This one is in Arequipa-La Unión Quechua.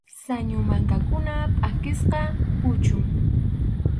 Sañu mankakunap pʼakisqa puchun.